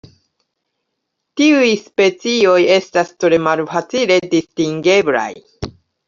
Tiuj specioj estas tre malfacile distingeblaj.